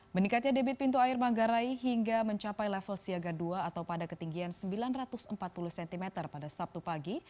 meningkatnya debit pintu air manggarai hingga mencapai level siaga dua atau pada ketinggian sembilan ratus empat puluh cm pada sabtu pagi